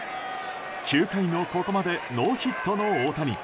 ９回のここまでノーヒットの大谷。